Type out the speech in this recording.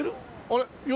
あれ？